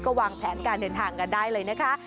ก็วางแผนการเดินทางกันได้เลยนะคะ